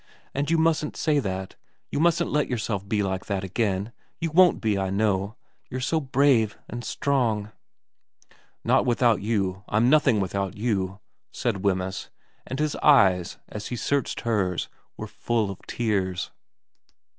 ' And you mustn't say that. You mustn't let yourself be like that v VERA 57 again. You won't be, I know you're so brave and strong.' ' Not without you. I'm nothing without you,' said Wemyss ; and his eyes, as he searched hers, were full of tears.